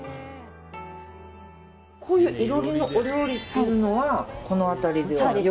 こういう囲炉裏のお料理っていうのはこの辺りでは、よく？